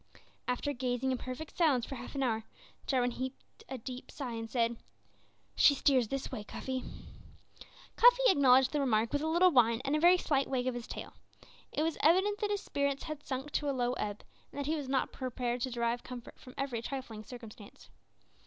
After gazing in perfect silence for half an hour, Jarwin heaved a deep sigh and said "She steers this way, Cuffy." Cuffy acknowledged the remark with a little whine and a very slight wag of his tail. It was evident that his spirits had sunk to a low ebb, and that he was not prepared to derive comfort from every trifling circumstance.